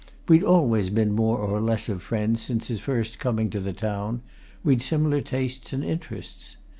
We'd always been more or less of friends since his first coming to the town: we'd similar tastes and interests.